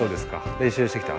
練習してきた？